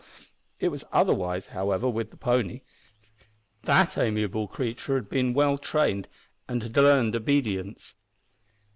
It was otherwise, however, with the pony. That amiable creature had been trained well, and had learned obedience.